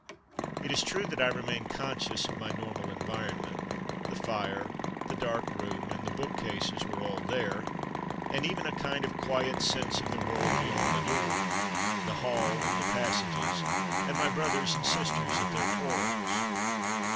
It is true that I remained conscious of my normal environ ment ; the fire, the dark room, and the bookcases were all there, and even a kind of quiet sense of the World beyond the Door, the hall and the passages and my brothers and sisters at their quarrels.